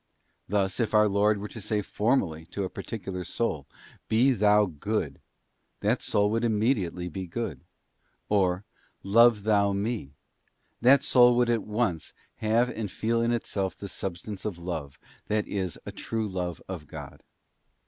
Thus, if our Lord were to say formally signity to a particular soul, Be thou good; that soul would imme diately be good. Or, Love thou Me; that soul would at once have and feel in itself the substance of love, that is, a true love of God.